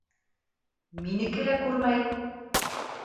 Минеке лә күрмәй!